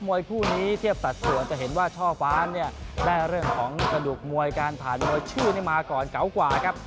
วยคู่นี้เทียบสัดส่วนจะเห็นว่าช่อฟ้าเนี่ยได้เรื่องของกระดูกมวยการผ่านมวยชื่อนี้มาก่อนเก๋ากว่าครับ